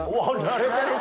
慣れてる！